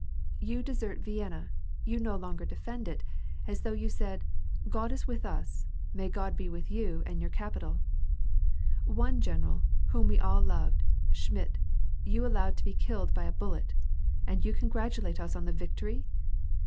You desert Vienna, you no longer defend it, as though you said, ' God is with us, may God be with you and your capital.' One general, whom we all loved, Schmidt, you allowed to be killed by a bullet, and you congratulate us on the victory